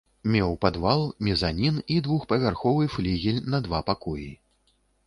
Меў падвал, мезанін і двухпавярховы флігель на два пакоі.